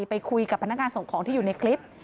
ไปคุยกับพนักงานส่งของที่อยู่ในคลิป